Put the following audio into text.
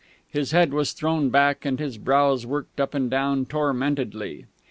His head was thrown back, and his brows worked up and down tormentedly.